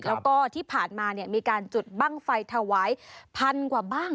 แล้วก็ที่ผ่านมามีการจุดบ้างไฟถวายพันกว่าบ้าง